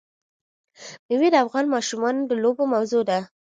مېوې د افغان ماشومانو د لوبو موضوع ده.